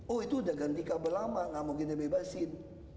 oh itu udah ganti kabel lama nggak mungkin dibebasin